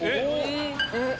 えっ！